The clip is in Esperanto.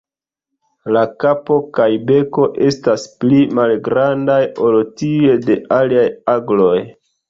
La kapo kaj beko estas pli malgrandaj ol tiuj de aliaj agloj.